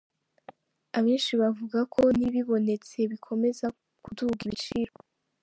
Abenshi bavuga ko n' ibibonetse bikomeza kuduga ibiciro.